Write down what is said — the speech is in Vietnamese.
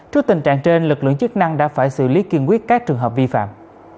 trước tình trạng trên lực lượng chức năng đã phải xử lý kiên quyết các trường hợp vi phạm